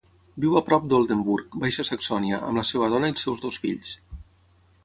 Viu a prop d'Oldenburg, Baixa Saxònia, amb la seva dona i els seus dos fills.